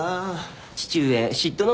父上嫉妬の巻。